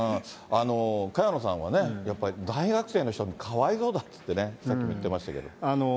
萱野さんはやっぱり大学生の人、かわいそうだっていってね、さっき言ってましたけど。